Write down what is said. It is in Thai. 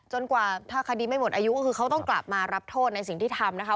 กว่าถ้าคดีไม่หมดอายุก็คือเขาต้องกลับมารับโทษในสิ่งที่ทำนะคะ